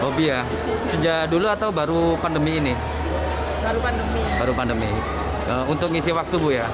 hobi ya sejak dulu atau baru pandemi ini baru pandemi untuk ngisi waktu bu ya